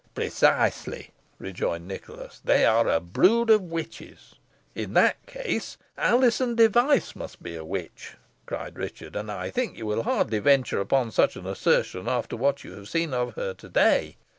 "Precisely," rejoined Nicholas; "they are a brood of witches." "In that case Alizon Device must be a witch," cried Richard; "and I think you will hardly venture upon such an assertion after what you have seen of her to day.